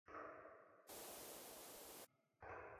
দাদীমা, বাহিরে যাও।